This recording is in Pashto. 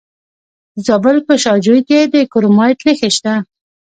د زابل په شاجوی کې د کرومایټ نښې شته.